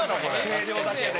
声量だけで。